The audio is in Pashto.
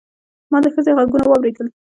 ما د ښځې غږونه واورېدل.